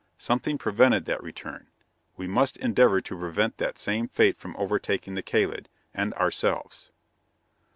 Something prevented that return. We must endeavor to prevent that same fate from overtaking the Kalid and ourselves."